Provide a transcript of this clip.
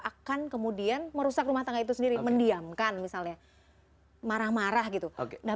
akan kemudian merusak rumah tangga itu sendiri mendiamkan misalnya marah marah gitu oke nah